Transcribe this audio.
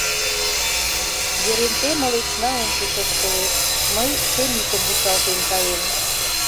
Еренте мылечна ончыч ошкылеш, мый Темитым вучалтен каем.